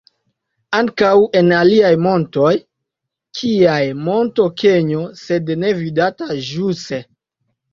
Ankaŭ en aliaj montoj, kiaj Monto Kenjo sed ne vidata ĵuse.